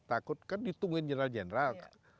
takut kan ditungguin general general